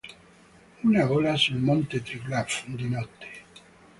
Una gola sul monte Triglav, di notte.